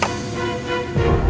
nanti kita ke rumah